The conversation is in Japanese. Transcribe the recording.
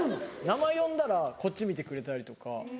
名前呼んだらこっち見てくれたりとか。